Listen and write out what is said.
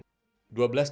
dua belas tahun lalu